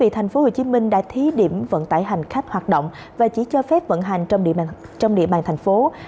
thành phố hồ chí minh đã thí điểm vận tải hành khách hoạt động và chỉ cho phép vận hành trong địa bàn thành phố